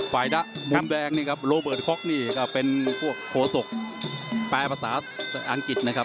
ฝ่ายดักมุมแดงเนี่ยครับโรเบิร์ตนี่ก็เป็นพวกโผสกแปลภาษาอังกฤษนะครับ